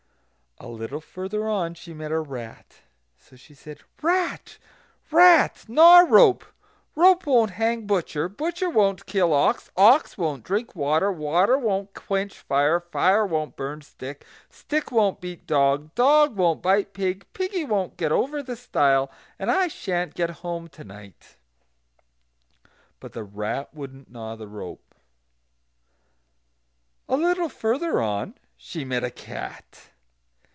A little further on she met a rat. So she said: "Rat! rat! gnaw rope; rope won't hang butcher; butcher won't kill ox; ox won't drink water; water won't quench fire; fire won't burn stick; stick won't beat dog; dog won't bite pig; piggy won't get over the stile; and I sha'n't get home to night." But the rat wouldn't gnaw the rope. A little further on she met a cat.